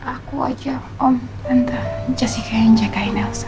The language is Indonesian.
aku aja om entah jessica yang jagain elsa